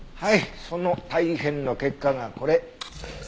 その大変の結果がこれ。